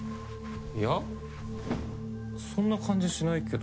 いやそんな感じしないけど。